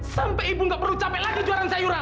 sampai ibu nggak perlu capek lagi jualan sayuran